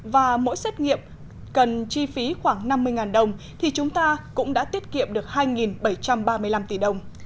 và mỗi xét nghiệm cần chi phí khoảng năm mươi đồng thì chúng ta cũng đã tiết kiệm được hai bảy trăm ba mươi năm tỷ đồng